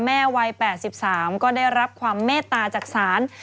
แม่วัย๘๓ก็ได้รับความเมตตาจากศาล